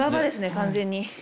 完全に。